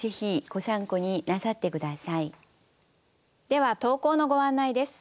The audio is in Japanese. では投稿のご案内です。